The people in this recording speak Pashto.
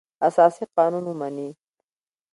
اساسي قانون ومني.